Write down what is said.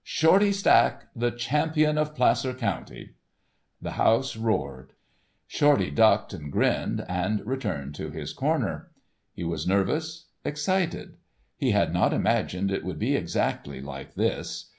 "Shorty Stack, the Champion of Placer County." The house roared; Shorty ducked and grinned and returned to his corner. He was nervous, excited. He had not imagined it would be exactly like this.